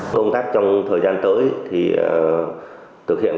công tác trong thời gian tới thì thực hiện